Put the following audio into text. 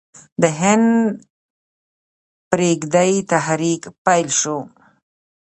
د هند پریږدئ تحریک پیل شو.